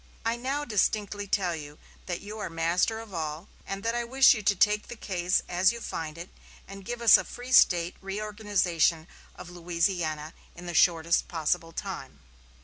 I now distinctly tell you that you are master of all, and that I wish you to take the case as you find it, and give us a free State reorganization of Louisiana in the shortest possible time."